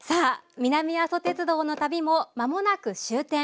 南阿蘇鉄道の旅も間もなく終点。